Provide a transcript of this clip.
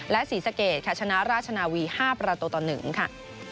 และศรีสะเกดค่ะชนะราชนาวี๕ประตูต่อ๑ค่ะ